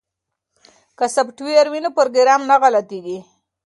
که سافټویر وي نو پروګرام نه غلطیږي.